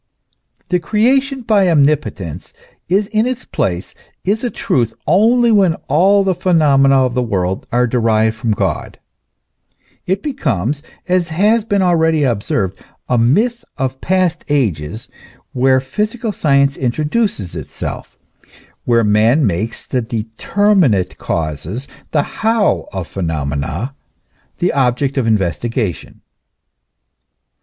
The creation by omnipotence is in its place, is a truth, only when all the phenomena of the world are derived from God. It becomes, as has been already observed, a myth of past ages where physical science introduces itself, where man makes the determinate causes, the how of phenomena, the object of investigation.